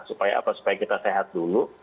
supaya apa supaya kita sehat dulu